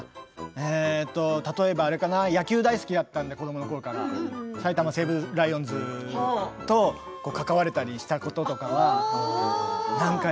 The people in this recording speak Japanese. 例えば野球大好きだったんで子どものころから埼玉西武ライオンズと関われたりしたことかな。